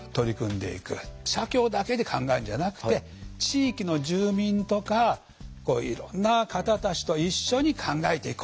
社協だけで考えるんじゃなくて地域の住民とかいろんな方たちと一緒に考えていこう。